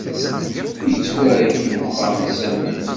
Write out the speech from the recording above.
Yettwarki uxxam n Sami.